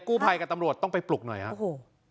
กู้ไพกับตำลวดต้องไปปลุกหน่อยฮะโอ้โห